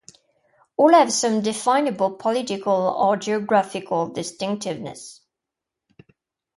All have some definable political or geographical distinctiveness.